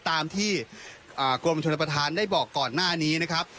ตามที่กรมชนประธานได้บอกก่อนหน้านี้นะครับ